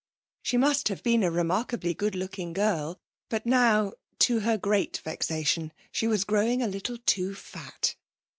She must have been a remarkably good looking girl, but now, to her great vexation, she was growing a little too fat.